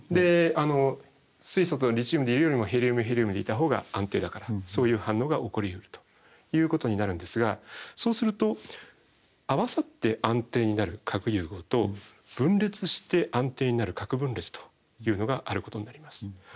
水素とリチウムでいるよりもヘリウムヘリウムでいたほうが安定だからそういう反応が起こりうるということになるんですがそうすると合わさって安定になる核融合と分裂して安定になる核分裂というのがあることになります。